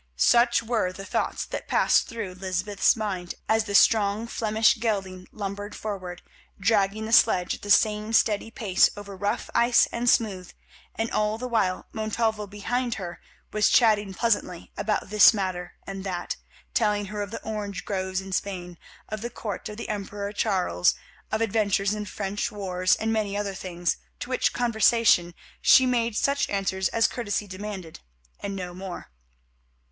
Such were the thoughts that passed through Lysbeth's mind as the strong Flemish gelding lumbered forward, dragging the sledge at the same steady pace over rough ice and smooth. And all the while Montalvo behind her was chatting pleasantly about this matter and that; telling her of the orange groves in Spain, of the Court of the Emperor Charles, of adventures in the French wars, and many other things, to which conversation she made such answer as courtesy demanded and no more.